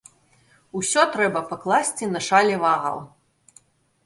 Усё трэба пакласці на шалі вагаў.